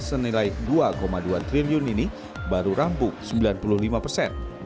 senilai dua dua triliun ini baru rampuk sembilan puluh lima persen